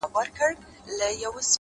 خو زه-